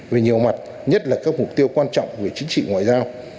về nhiều mặt nhất là các mục tiêu quan trọng về chính trị ngoại giao